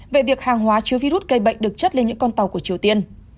về việc hàng hóa chứa virus gây bệnh được chất lên những con tàu của triều tiên